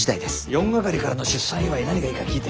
４係からの出産祝何がいいか聞いて。